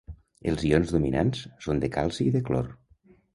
Els ions dominants són de calci i de clor.